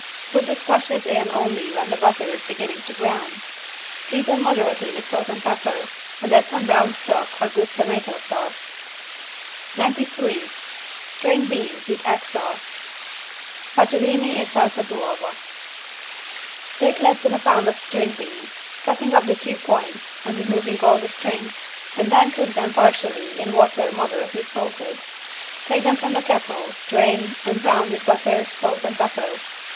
Put the squashes in only when the butter is beginning to brown. Season moderately with salt and butter and add some brown stock or good tomato sauce. 93 STRING BEANS WITH EGG SAUCE (Fagiuolini in salsa d'uovo) Take less than a pound of string beans, cutting off the two points and removing all the strings, and then cook them partially in water moderately salted. Take them from the kettle, drain, and brown with butter, salt and pepper.